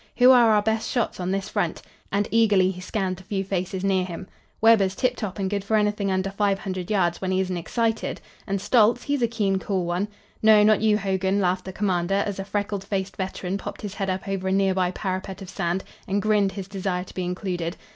Who are our best shots on this front?" and eagerly he scanned the few faces near him. "Webber's tiptop and good for anything under five hundred yards when he isn't excited, and Stoltz, he's a keen, cool one. No! not you, Hogan," laughed the commander, as a freckled faced veteran popped his head up over a nearby parapet of sand, and grinned his desire to be included.